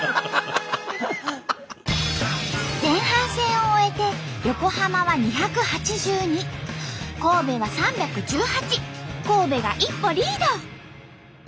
前半戦を終えて横浜は２８２神戸は３１８神戸が一歩リード！